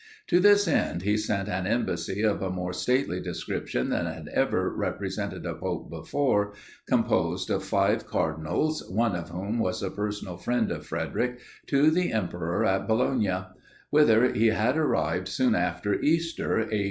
To this end, he sent an embassy of a more stately description than had ever represented a Pope before, composed of five cardinals, one of whom was a personal friend of Frederic, to the emperor at Bologna; whither he had arrived soon after Easter (A.